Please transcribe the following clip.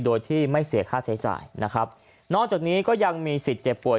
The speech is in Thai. โดยที่ไม่เสียค่าใช้จ่ายนะครับนอกจากนี้ก็ยังมีสิทธิ์เจ็บป่วย